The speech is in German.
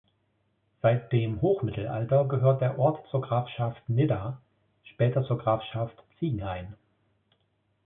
Seit dem Hochmittelalter gehörte der Ort zur Grafschaft Nidda, später zur Grafschaft Ziegenhain.